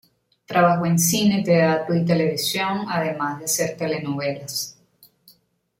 Trabajó en cine, teatro y televisión, además de hacer telenovelas.